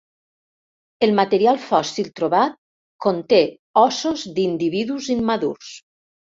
El material fòssil trobat conté ossos d'individus immadurs.